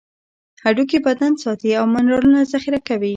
هډوکي بدن ساتي او منرالونه ذخیره کوي.